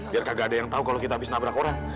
biar kagak ada yang tahu kalau kita habis nabrak orang